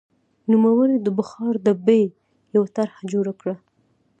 نوموړي د بخار ډبې یوه طرحه جوړه کړه.